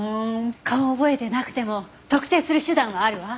顔を覚えてなくても特定する手段はあるわ。